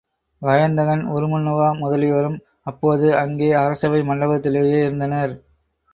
வயந்தகன், உருமண்ணுவா முதலியோரும் அப்போது அங்கே அரசவை மண்டபத்திலேயே இருந்தனர்.